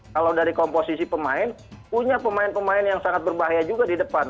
kalau dari komposisi pemain punya pemain pemain yang sangat berbahaya juga di depan